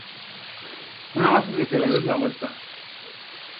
Los incas bloquearon los cursos de agua en las sierras y debilitaron su economía.